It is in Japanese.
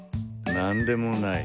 何でもない。